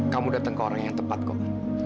kamu datang ke orang yang tepat kok